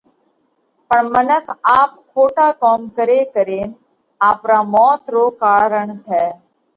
پڻ منک آپ کوٽا ڪوم ڪري ڪرينَ آپرا موت رو ڪارڻ ٿئه۔